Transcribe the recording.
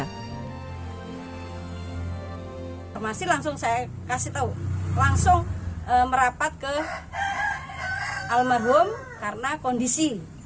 informasi langsung saya kasih tahu langsung merapat ke almarhum karena kondisi